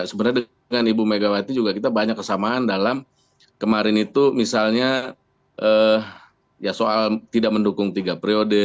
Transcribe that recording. sebenarnya dengan ibu megawati juga kita banyak kesamaan dalam kemarin itu misalnya ya soal tidak mendukung tiga periode